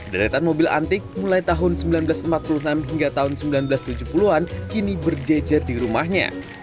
deretan mobil antik mulai tahun seribu sembilan ratus empat puluh enam hingga tahun seribu sembilan ratus tujuh puluh an kini berjejer di rumahnya